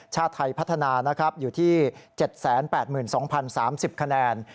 ชาติไทยพัฒนานะครับอยู่ที่๗๘๒๐๓๐คะแนน